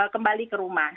kembali ke rumah